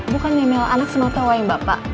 bukannya mel anak semuanya tau yang bapak